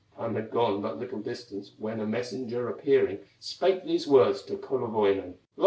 Time had gone but little distance, When a messenger appearing, Spake these words to Kullerwoinen: "Lo!